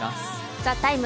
「ＴＨＥＴＩＭＥ，」